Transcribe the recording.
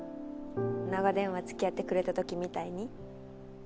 長電話つきあってくれたときみたいに？